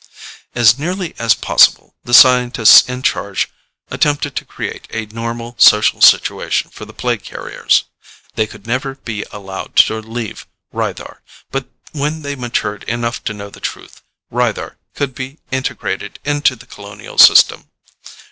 "As nearly as possible, the scientists in charge attempted to create a normal social situation for the plague carriers. They could never be allowed to leave Rythar, but when they matured enough to know the truth, Rythar could be integrated into the colonial system.